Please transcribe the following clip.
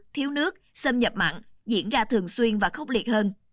thiếu nước xâm nhập mặn diễn ra thường xuyên và khốc liệt hơn